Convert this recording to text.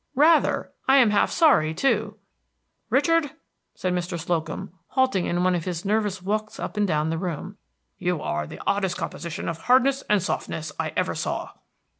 "Rather. I am half sorry, too." "Richard," said Mr. Slocum, halting in one of his nervous walks up and down the room, "you are the oddest composition of hardness and softness I ever saw."